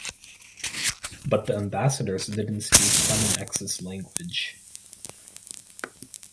But the ambassadors didn't speak Clement X's language.